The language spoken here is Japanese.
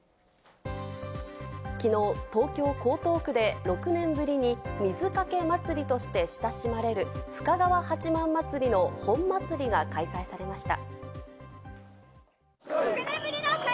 きのう東京・江東区で６年ぶりに水かけ祭りとして親しまれる深川八幡祭りの本祭りが開催されました。